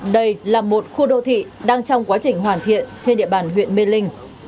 đây là một khu đô thị đang trong quá trình hoàn thiện trên địa bàn huyện mê linh